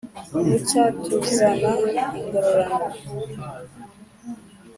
bucya tuzana ingororano,